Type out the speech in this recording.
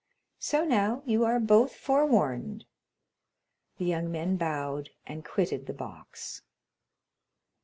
So now, you are both forewarned." The young men bowed, and quitted the box.